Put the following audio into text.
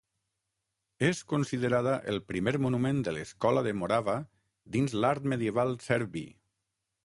És considerada el primer monument de l'Escola de Morava dins l'art medieval serbi.